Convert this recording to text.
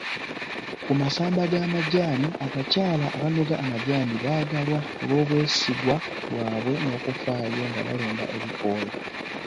Ku masamba g'amajaani, abakyala abanoga amajaani baagalwa olw'obwesigwa bwabwe n'okufaayo nga balonda ebikoola.